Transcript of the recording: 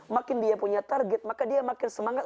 makin dia punya target maka dia makin semangat